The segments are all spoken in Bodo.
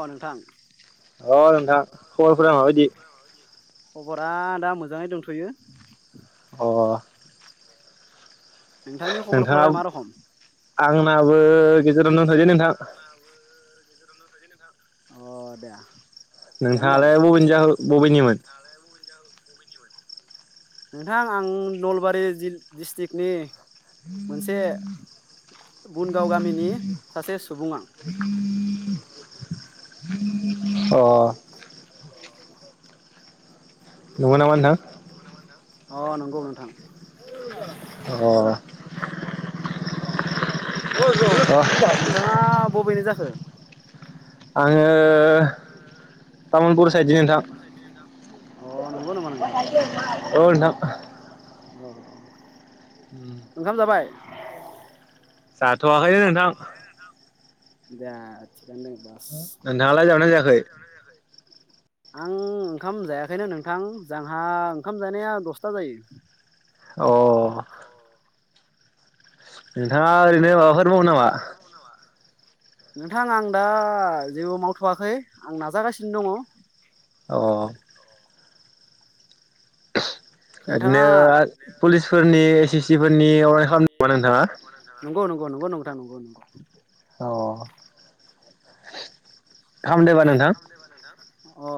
अ नोंथां खबरा दा मोजा जाङै दंथ'यो। अ। नोंथाङा आंनाबो गेजेरावनो दंथ'यो नोंथां। [unintelligible] अ दे। नोंथाङालाय बबेनि जाहो बबेनिमोन? नोंथां आं नलबारि जिल डिस्टिकनि मोनसे बुनगाव गामिनि सासे सुबुं आं। [inaudible] अ। नंगौ नामा‌ नोंथां। अ नंगौ नोंथां। अ। [unintelligible] नोंथाङा बबेनि जाखो? [inaudible] आङो तामुलपुर। तामुलपुर साइडनि नोंथां। अ नंगौ नामा नो [unintelligible] अ नोंथां। अ ओंखाम जाबाय? जाथ'वाखैनो नोंथां। देहा थिगानो दोङोबा? नोंथाङालाय जाबायना जायाखै‌? आं ओंखाम जायाखैनो नोंथां जांहा ओंखाम जानाया दसता जायो। नोंथाङा ओरैनो माबाफोर मावो नामा? नोंथां आं दा जेबो मावथ'वाखै आं नाजागासिनो दङ'। नोंथाङा नंगौ नंगौ नंगौ। [unintelligible] खामदोबा नोंथां? अ।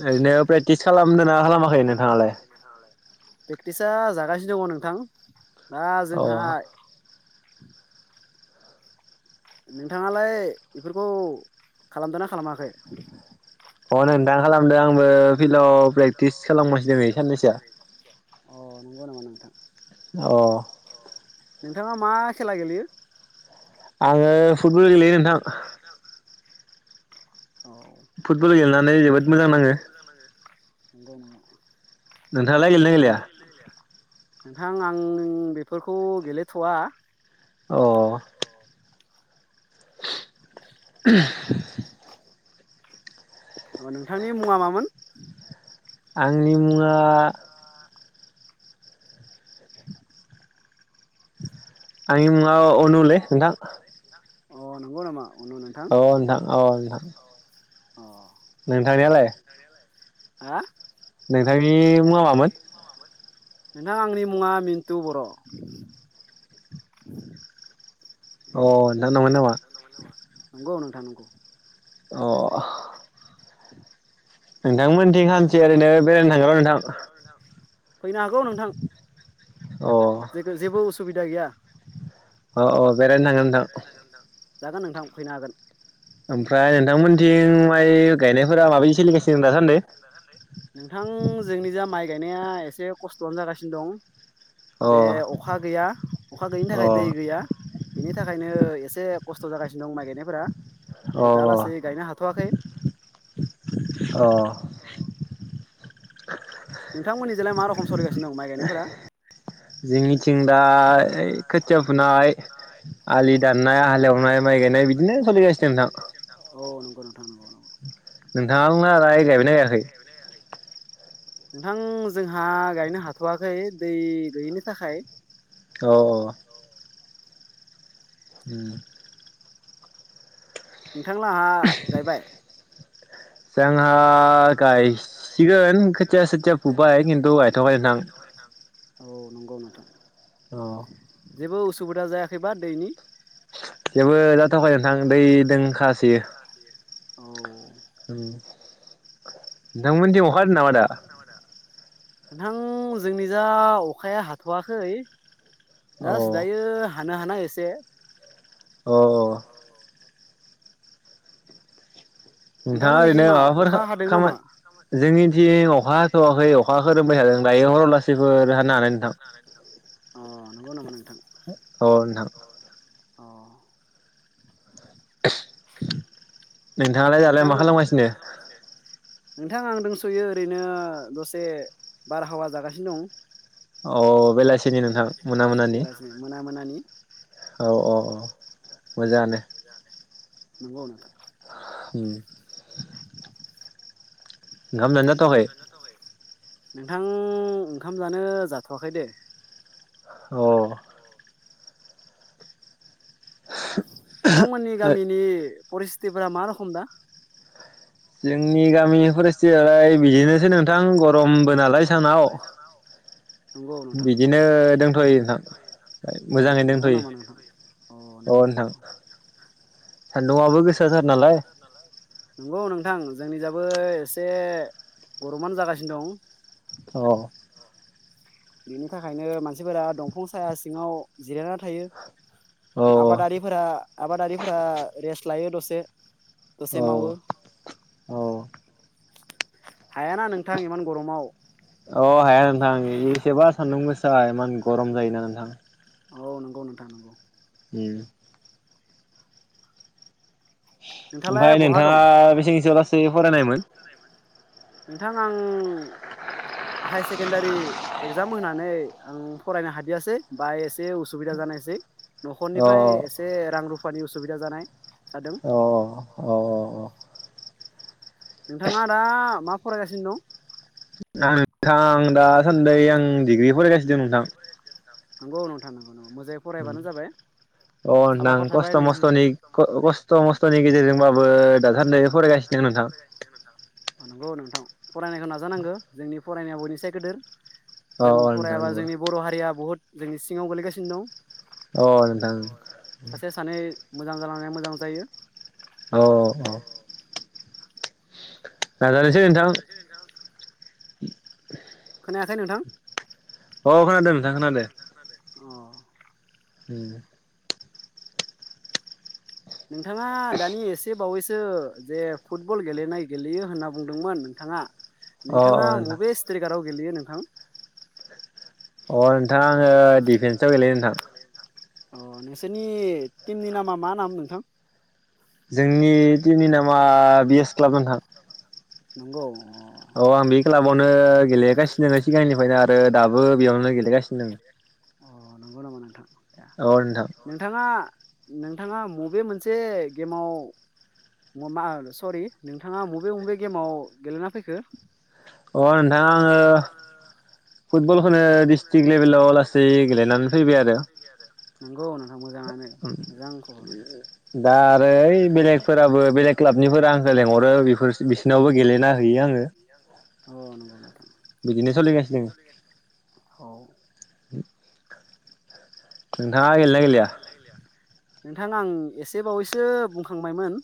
ओरैनो प्रेक्टिस खालामदोना खालामाखै नोंथाङालाय? प्रेक्टिसा जागासिनो दङ' नोंथां। दा जोंहाय [inaudible] नोंथाङालाय इफोरखौ खालामदो ना खालामाखै? अ नोंथां खालामदो आंबो फिल्डआव प्रेक्टिस खालामगासि बे साननैसोआ। अ' नंगौ नामा नोंथां? अ' नोंथाङा मा खेला गेलेयो? आंङो फुटबल गेलेयो नोंथां। फुटबल गेलेनानै जोबोद मोजां नाङो। नोंगौ नामा? नोंथाङालाय गेलयोना गेलेया? नोंथां आं बेफोरखौ गेलेथ'आ अ' [inaudible] अ' नोंथांनि मुङा मामोन? आंनि मुङा आंनि मुङा अनु ले नोंथां। अ' नंगौ नामा? औ नोंथां औ नोंथां। नोंथांनियालाय? आ नोंथांनि मुङा मामोन? नोंथां आंनि मुङा मिन्थु बर' [inaudible] अ' नोंथां [unintelligible] नामा? नंगौ नोंथां नंगौ। अ' नोंथां मोनथिं हानसे ओरैनो बेरायनो थांगोनर' नोंथां। फैनो हागौ नोंथां। जेखो जेबो उस सुबिदा गैया‌। अ' अ' बेरायनो थांगोन नोंथां। जागोन नोंथां फैनो हागोन। ओम नोंथां जोंनि जा माइ गायनाया एसे खस्थआनो जागासिनो दं। जे अखा गैया अखा गैयिनि थाखाय दै गैया बेनि थाखायनो एसे खस्थ जागासिनो दं माइ गायनायफोरा। अ' अ' हाथ'आखै। नोंथांमोननिजोंलाय मा रोखम सोलिगासिनो दं माइ गायनायफोरा? दा खोथिया फुनाय आलि दाननाय हालेवनाय माइ गायनाय बिदिनो सोलिगासिनो नोंथां। [unintelligible] नोंथांमोना राय गायबायना गायाखै? नोंथां जोंहा गायनो हाथ'वाखै दै गैयिनि थाखाय। औ औ। ओम। नोंथांलाहा गायबाय। जोंहा गाइस सिगोन खोथिया सोथिया फुबाय खिन्थु गायथ'वाखै नोंथां। नंगौ नोंथां। ओ। जेबो उसुबिदा जायाखैबा दैनि। जेबो जाथ'वाखै नोंथां दै दोंखासयो ओम। नोंथांमोननिथि अखा हादो नामा दा। नोंथां जोंनि जा अखाया हाथ'वाखै। जास दायो हाथ। हानो हानाय एसे। ओ। नोंथाङा ओरैनो माबाफोर खामा जोंनिथिं अखा हाथ'वाखै अखा खोरोबाय थादों दायो हरावलासिफोर हानो हानाय। थां। अ नंगौ नामा नोंथां। अ नोंथां। अ। नोंथाङालाय दालाय मा खालामगासिनो। नोंथां आं दंस'यो ओरैनो दसे बारहावा जागासिनो दं। अ बेलासिनि नोंथां मोना मोनानि। औ औ औ मोजाङानो। नोंगौ नोथां। ओम। ओंखाम जानो जाथवाखै। नोंथां ओंखाम जानो जाथ'वाखै दे। ओ। नोंथांमोननि गामिनि। परिसतिफोरा मा रोखोम दा। जोंनि गामिनि फरस्थियालाय बिदिनोसै नोंथां गरमबो नालाय सानाव। बिदिनो दोनथ'यो नोंथां मोजाङैनो दोनथ'यो औ नोंथां। सान्दुंआबो गोसोथार नालाय। थां जोंनि जाबो एसे गरमानो जागासिनो दं। औ। बेनि थाखायनो मानसिफोरा दंफां साया सिङाव जिरायना थायो। आबादारिफोरा आबादारिफोरा रेस्ट लायो दसे दसे मावो हायाना नोंथां इमान गरमाव। अ हाया नोंथां एसेबा सान्दुं गोसा इमान गरम जायोना नोंथां। औ नंगौ नोंथां नंगौ। उम। ओमफ्राय नोंथाङा बेसे बेसेहालागै फरायनायमोन? नोंथां आं हायार सेकेन्डारि एगजाम होनानै आं फरायनो हादियासै बा एसे उसुबिदा जानायसै। नख'रनिफ्राय एसे रां रु फानि उसुबिदा जानाय जादों। अ। नोंथाङा दा मा फरायगासिनो दं? आं नोंथां दासान्दि आं डिग्रि फरायगा सिनो नोंथां। नंगौ नोंथां नंगौ नंगौ मोजाङै फरायब्लानो जाबाय। अ नोंथां खस्थ मस्थनि खस्थ मस्थनि गेजेरजोंबाबो दासान्दै फरायगासिनो नोंथां। नंगौ नोंथां फरायनायखौ नाजानांगौ जोंनि फरायनाया बयनिसाय गोदोर। जों फरायाबा जोंनि बर'हारिया बहुत जोंनि सिङाव गोलैगासिनो दं। अ नोंथां। मोजां जालांनाया मोजां जायो। औ औ। नाजानोसै नोंथां। [unintelligible] खोनायाखै नोंथां? अ खोनादों नोंथां खोनादों। ओम। नोंथाङा दानि एसे बावैसो जे फुटबल गेलेनाय गेलेयो होनना बुंदोंमोन नोंथाङा नोंथाङा बबे स्ट्रेगाराव गेलेयो नोंथां? अ नोंथां आङो दिफेन्सआव गेलेयो नोंथां। अ नोंसोरनि टिमनि नामा मा नाम नोंथां? जोंनि टिमनि नामा बि एस क्लाब नोंथां। नंगौ? अ आं बे क्लाबावनो गेलेगासिनोनो सिगांनिफ्रायनो आरो दाबो बेयावनो गेलेगासिनो दङ। अ नंगौ नामा नोंथां? नोंथाङा नोंथाङा मबे मोनसे गेमाव मा सरि नोंथाङा बबे बबे गेमाव गेलेना फैखो? अ नोंथां आङो फुटबल खोनो डिस डिसट्रिक लेभेलाव लासै गेलेनानै फैबाय आरो। उम दा बे ओइ बेलेगफोराबो बेलेग क्लाबनिफोरा आंखौ लेंहरो बेफोर बिसिनावबो गेलेना हैयो आङो। बिदिनो सलिगासिनो। [inaudible] नोंथाङा गेलेयोना गेलेया? नोंथां आं एसे बावैसो बुंखांबायमोन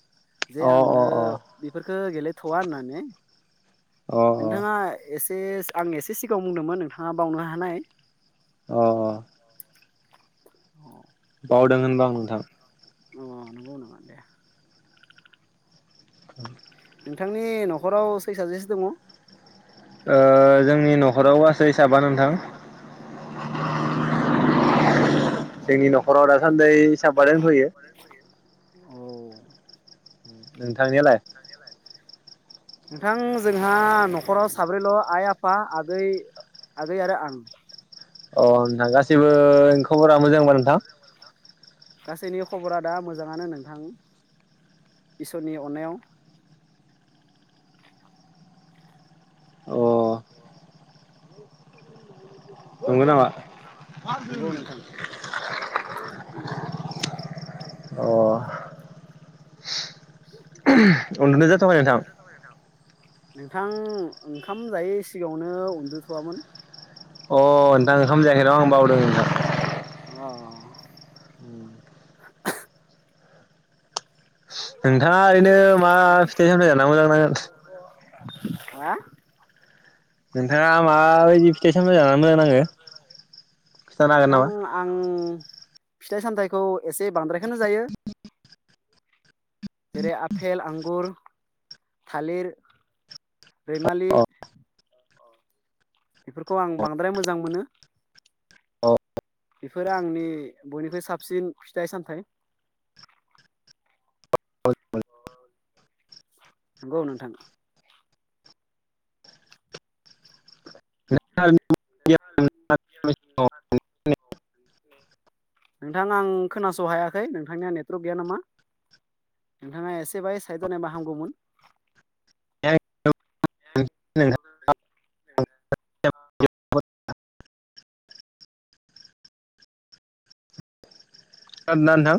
जे आङो बेफोरख खो गेलेथ'वा होननानै। नोंथाङा एस एस आं एसे सिगाङाव बुंदोंमोन नोंथाङा बावनो हानाय अ अ [inaudible] बावदों होनबा आं नोंथां। अ नंगौ नामा दे। [inaudible] नोंथांनि न'खराव सै सासेसो दङ? ओ जोंनि न'खराव गास अ औ नोंथा। थांनायालाय? नोंथां जोंहा न'खराव साब्रैल' आइ-आफा, आगै-आगै आरो आं। अ नोंथां गासिबो खबरा मोजांबा नोंथां? गासैनि खबरा दा मोजाङानो नोंथां इसोरनि अननायाव। नंगौ नामा? मा होनदों? उन्दुनाय जाथ'वाखै नोंथां? नोंथां ओंखाम जायै सिगाङावनो उन्दुथ'वामोन। अ न दा ओंखाम जायाखैन' आं बावदों नोंथां। [unintelligible] नोंथाङा ओरैनो मा फिथाइ सामथाइ जाना मोजां नांङो नोंथाङा माबायदि फिथाइ सामथाइ जाना मोजां नांङो नोंथां आं फिथाइ सामथाइखौ एसे बांद्रायखौनो जायो जेरै आफेल, आंगुर, थालिर रैमालि बेफोरखौ आं बांद्राय मोजां मोनो औ बेफोरो आंनि बयनिख्रुइ साबसिन फिथाइ सामथाइ [unintelligible] नंगौ नोंथां [unintelligible] नोंथाङा आं खोनास' हायाखै नोंथांनिया नेटवर्क गैया नामा नोंथाङा एसे बाय साइड जानायबा हामगौमोन [unintelligible] [unintelligible] खोनादोंना नोंथां?